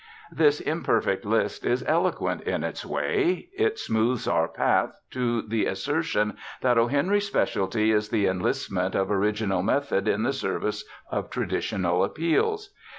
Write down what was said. This imperfect list is eloquent in its way; it smooths our path to the assertion that O. Henry's specialty is the enlistment of original method in the service of traditional appeals.